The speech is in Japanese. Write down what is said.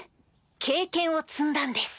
経験を積んだんです。